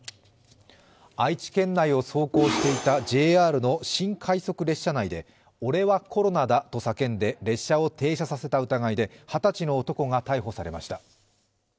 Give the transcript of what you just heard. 愛知県内を走行していたＪＲの新快速列車内で俺はコロナだと叫んで列車を停車させた疑いで、２０歳の男が逮捕されました。